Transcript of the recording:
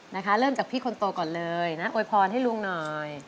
นะคะเริ่มจากพี่คนโตก่อนเลยนะโวยพรให้ลุงหน่อย